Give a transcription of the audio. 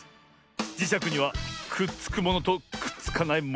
じしゃくにはくっつくものとくっつかないものがある。